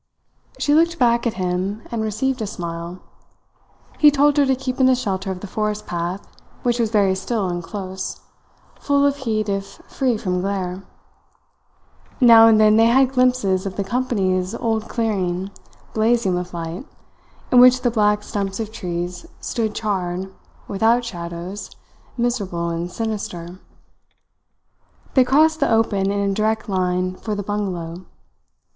She looked back at him and received a smile. He told her to keep in the shelter of the forest path, which was very still and close, full of heat if free from glare. Now and then they had glimpses of the company's old clearing blazing with light, in which the black stumps of trees stood charred, without shadows, miserable and sinister. They crossed the open in a direct line for the bungalow.